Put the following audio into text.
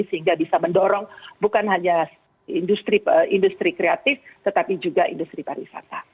sehingga bisa mendorong bukan hanya industri kreatif tetapi juga industri pariwisata